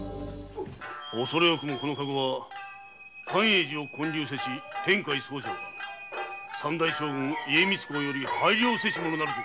おそれ多くもこのカゴは寛永寺を建立せし天海僧正が三代将軍・家光公より拝領せしものなるぞ。